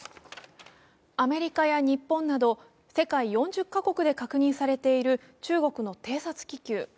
アメリカや日本など世界４０か国で確認されている中国の偵察気球。